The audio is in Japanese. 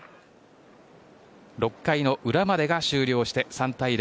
６回の裏までが終了して３対０。